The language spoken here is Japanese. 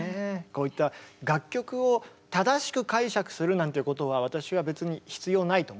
こういった楽曲を正しく解釈するなんていうことは私は別に必要ないと思ってるんですけど。